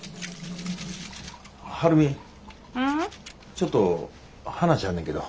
ちょっと話あんねんけど。